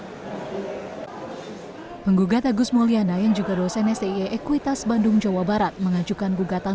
hai penggugat agus mulyana yang juga dosen sti ekuitas bandung jawa barat mengajukan gugatan